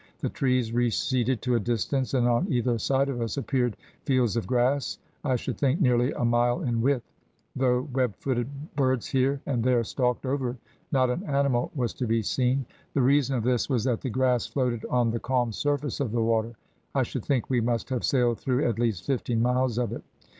The trees receded to a distance, and on either side of us appeared fields of grass, I should think, nearly a mile in width. Though web footed birds here and there stalked over it, not an animal was to be seen; the reason of this was that the grass floated on the calm surface of the water. I should think we must have sailed through at least fifteen miles of it.